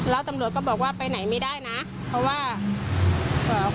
แล้วตำรวจก็บอกว่าไปไหนไม่ได้นะเพราะว่าเอ่อ